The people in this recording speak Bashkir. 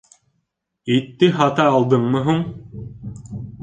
— Итте һата алдыңмы һуң?